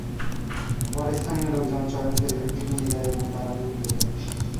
পরে স্থানীয় লোকজন চয়নকে ধরে পিটুনি দেয় এবং তাঁর আঙুল কেটে দেয়।